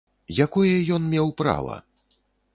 Якое ён меў права?